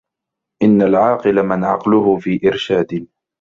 إنَّ الْعَاقِلَ مَنْ عَقْلُهُ فِي إرْشَادٍ